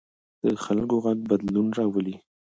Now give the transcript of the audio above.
د خلکو غږ بدلون راولي